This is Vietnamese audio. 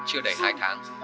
chưa đầy hai tháng